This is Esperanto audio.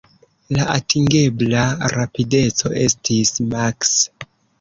La atingebla rapideco estis maks.